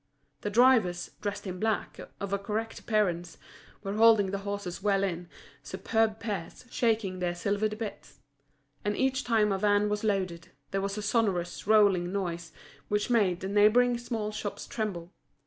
The drivers, dressed in black, of a correct appearance, were holding the horses well in, superb pairs, shaking their silvered bits. And each time a van was loaded, there was a sonorous, rolling noise, which made the neighbouring small shops tremble.